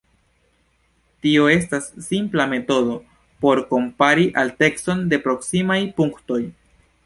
Tio estas simpla metodo por kompari altecon de proksimaj punktoj.